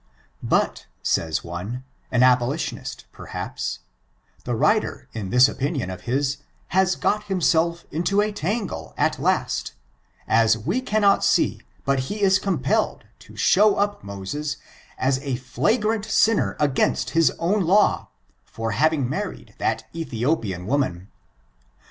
But says one, an abolitionist perhaps, the writer in this opinion of his, has got himself into a tangle at last, as we cannot see but he is compelled to show up Moses as a flagrant sinner against his own law, for having married that Ethiopian woman.